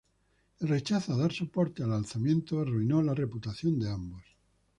El rechazo a dar soporte al alzamiento arruinó la reputación de ambos.